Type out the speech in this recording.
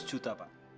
dua ratus juta pak